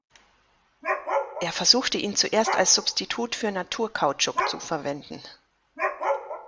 Er versuchte ihn zuerst als Substitut für Naturkautschuk zu verwenden.